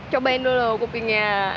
cobain dulu loh kupingnya